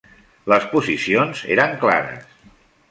Les posicions eren clares.